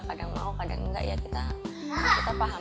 kadang mau kadang enggak ya kita paham